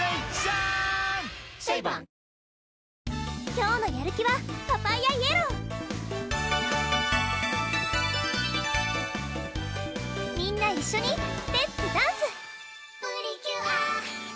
今日のやる気はパパイアイエローみんな一緒にレッツダンス！